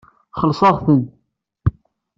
Xellṣeɣ-ten.